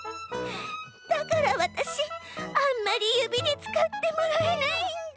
だからわたしあんまりゆびでつかってもらえないんだ！